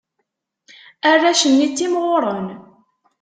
Arrac-nni ttimɣuren.